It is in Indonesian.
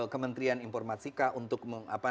kementerian informatika untuk